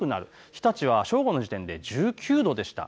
日立は正午の時点で１９度でした。